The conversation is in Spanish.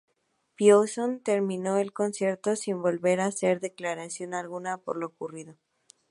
Poison termino el concierto sin volver a hacer declaración alguna por lo ocurrido.